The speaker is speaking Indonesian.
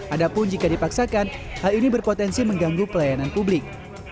adapun jika dipaksakan hal ini berpotensi mengganggu pelayanan publik